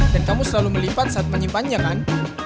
dan kamu selalu melipat saat penyimpanannya kan